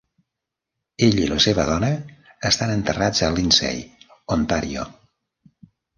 Ell i la seva dona estan enterrats a Lindsay, Ontario.